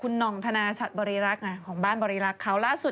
หน่องธนาชัดบริรักษ์ของบ้านบริรักษ์เขาล่าสุด